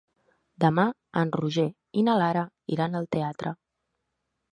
Demà en Roger i na Lara iran al teatre.